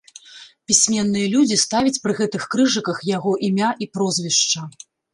Пісьменныя людзі ставяць пры гэтых крыжыках яго імя і прозвішча.